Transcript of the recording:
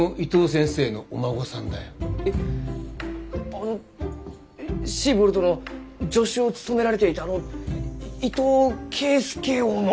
あのシーボルトの助手を務められていたあの伊藤圭介翁の？